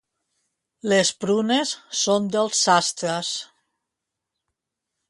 Les prunes són dels sastres.